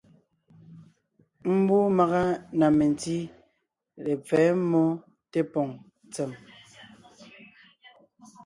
Mbú màga na mentí lepfɛ́ mmó tépòŋ ntsèm,